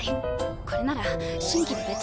これなら新規で別の企画。